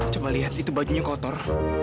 coba lihat itu bajunya kotor